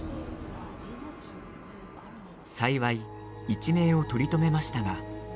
幸い一命を取り留めましたが。